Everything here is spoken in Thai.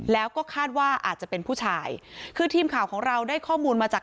แล้วก็คาดว่าอาจจะเป็นผู้ชายคือทีมข่าวของเราได้ข้อมูลมาจาก